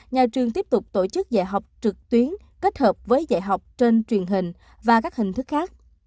nhà trường tiếp tục tổ chức dạy học trực tuyến kết hợp với dạy học trên truyền hình và các hình thức khác